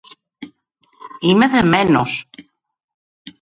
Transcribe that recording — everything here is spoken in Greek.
Είμαι δεμένος!